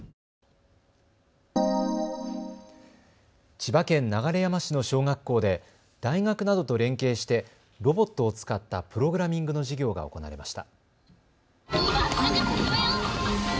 千葉県流山市の小学校で大学などと連携してロボットを使ったプログラミングの授業が行われました。